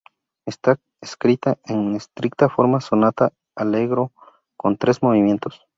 Está escrita en estricta forma sonata-allegro, con tres movimientos.